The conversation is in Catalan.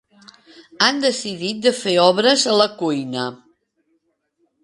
Han decidit de fer obres a la cuina.